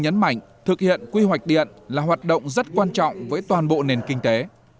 nhấn mạnh thực hiện quy hoạch điện là hoạt động rất quan trọng với toàn bộ nền kinh tế